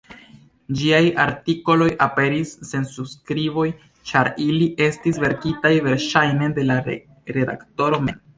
Ĝiaj artikoloj aperis sen subskriboj, ĉar ili estis verkitaj verŝajne de la redaktoro mem.